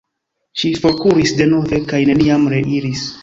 Ŝi forkuris denove kaj neniam reiris.